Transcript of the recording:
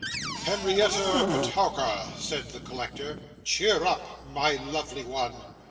'Henrietta Petowker!' said the collector; 'cheer up, my lovely one.